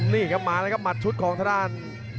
นี่ครับมาแล้วกับหมัดชุดของทะดาน